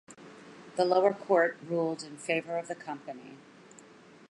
The lower court ruled in favor of the company.